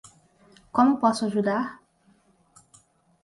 Como posso ajudar?